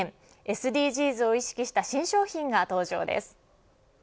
ＳＤＧｓを意識した新商品が登場です。